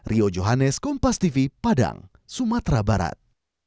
riojohannes kompas tv padang sumatera barat